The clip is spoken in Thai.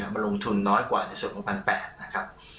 มันลงทุนน้อยกว่าในส่วนของ๑๘๐๐นะครับ